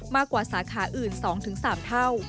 มากกว่าสาขาอื่น๒๓เท่า